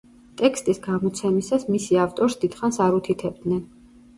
ტექსტის გამოცემისას მისი ავტორს დიდხანს არ უთითებდნენ.